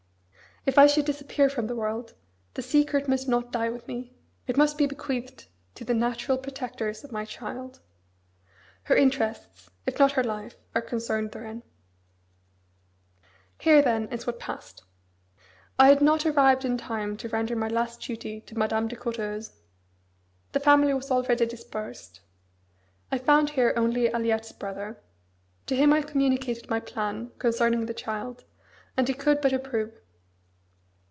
If I should disappear from the world, the secret must not die with me. It must be bequeathed to the natural protectors of my child. Her interests, if not her life, are concerned therein. Here, then, is what passed: I had not arrived in time to render my last duty to Madame de Courteheuse. The family was already dispersed. I found here only Aliette's brother. To him I communicated my plan concerning the child, and he could but approve.